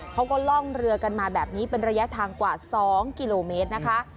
เขาก็ล่องเรือกันมาแบบนี้เป็นระยะทางกว่า๒กิโลเมตรนะคะ